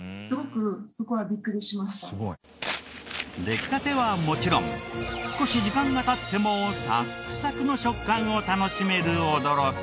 出来たてはもちろん少し時間が経ってもサックサクの食感を楽しめる驚き。